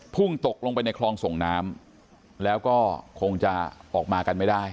พุ่งตกลงไปในคลองส่งน้ำแล้วก็คงจะออกมากันไม่ได้